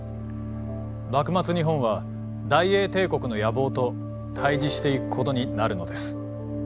幕末日本は大英帝国の野望と対峙していくことになるのです。